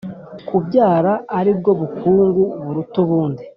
kubyara ari bwo bukungu buruta ubundi.